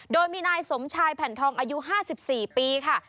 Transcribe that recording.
โดยมีนายสมชายแผ่นทองอายุ๕๔ปีค่ะ